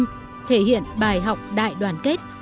đã thể hiện bài học đại đoàn kết